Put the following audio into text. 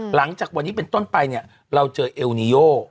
หลังจากวันนี้เป็นต้นไปเนี่ยเราเจอเอลนีโย